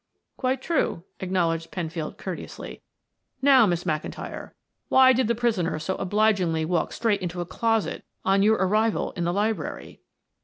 "Quite true," acknowledged Penfield courteously. "Now, Miss McIntyre, why did the prisoner so obligingly walk straight into a closet on your arrival in the library?"